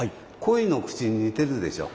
鯉の口に似てるでしょ。